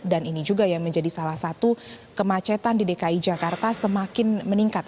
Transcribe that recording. dan ini juga yang menjadi salah satu kemacetan di dki jakarta semakin meningkat